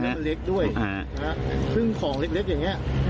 แล้วมันเล็กด้วยซึ่งของเล็กเล็กอย่างเงี้ย